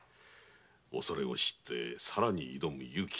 恐れを知ってさらに挑む勇気。